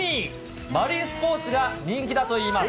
マリンスポーツが人気だといいます。